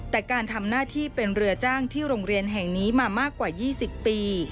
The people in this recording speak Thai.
แต่การทำหน้าที่เป็นเรือจ้างที่โรงเรียนแห่งนี้มามากกว่า๒๐ปี